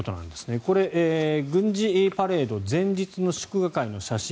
これ、軍事パレード前日の祝賀会の写真。